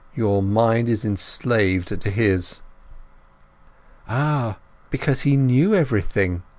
Your mind is enslaved to his." "Ah, because he knew everything!"